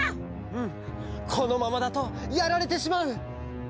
うんこのままだとやられてしまう。